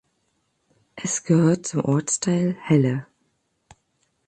Es gehört zum Ortsteil Helle.